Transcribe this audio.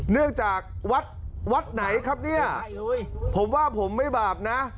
เนื่องจากวัดวัดไหนครับเนี่ยผมว่าผมไม่บาปนะ